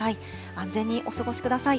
安全にお過ごしください。